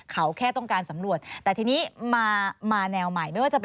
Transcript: เขาแค่ต้องการสำรวจ